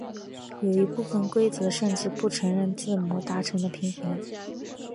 有一部分规则甚至不承认自摸达成的平和。